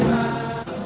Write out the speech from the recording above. wahyu pratama surabaya